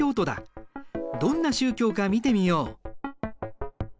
どんな宗教か見てみよう。